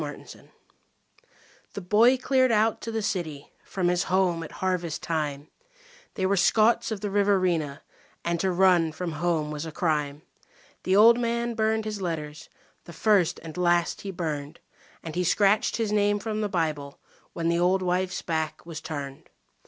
9 Autoplay The boy cleared out to the city from his home at harvest time They were Scots of the Riverina, and to run from home was a crime. The old man burned his letters, the first and last he burned, And he scratched his name from the Bible when the old wife's back was turned.